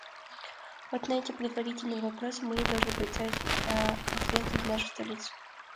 Вот на эти предварительные вопросы мы и должны представить ответы в нашу столицу.